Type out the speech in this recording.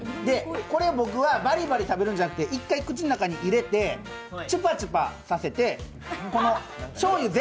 これ、僕はバリバリ食べるんじゃなくて１回、口の中に入れて、チュパチュパさせてこのしょうゆ